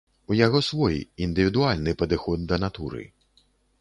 У яго свой, індывідуальны падыход да натуры.